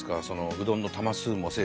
うどんの玉数も。